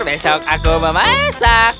besok aku memasak